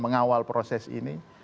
mengawal proses ini